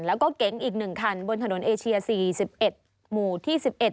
แล้วก็เก๋งอีก๑คันบนถนนเอเชีย๔๑หมู่ที่๑๑